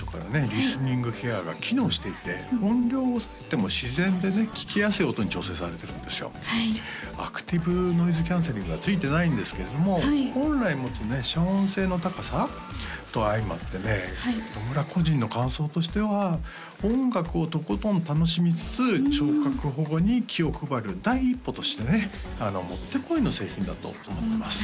リスニングケアが機能していて音量を抑えても自然で聴きやすい音に調整されてるんですよアクティブノイズキャンセリングが付いてないんですけども本来持つね遮音性の高さと相まってね野村個人の感想としては音楽をとことん楽しみつつ聴覚保護に気を配る第一歩としてねもってこいの製品だと思ってます